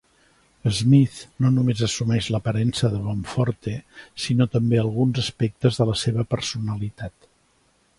Smith no només assumeix l'aparença de Bonforte, sinó també alguns aspectes de la seva personalitat.